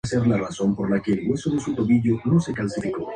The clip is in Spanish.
El uso de rangos en las fuerzas armadas es prácticamente universal.